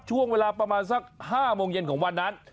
ช่วงเวลาประมาณสัก๕โมงเย็นของวันนั้น